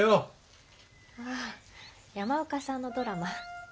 ああ山岡さんのドラマ。